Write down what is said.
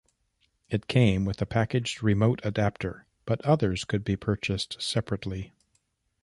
It came with a packaged remote adapter, but others could be purchased separately.